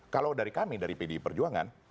kalau dari kami dari pdi perjuangan